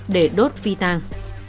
để đốt phi tăng